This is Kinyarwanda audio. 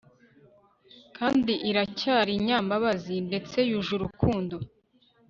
kandi iracyari inyambabazi ndetse yuje urukundo